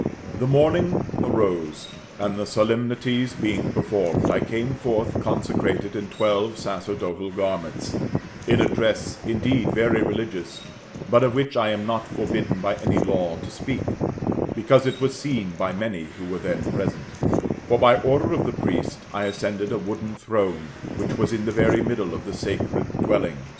The morning arose, and the solemnities being performed, I came forth consecrated in twelve sacerdotal garments, in a dress indeed very religious, but of which I am not forbidden by any law to speak, because it was seen by many who were then present For, by order of the priest, I ascended a wooden throne, which was in the very middle of the sacred building \Le.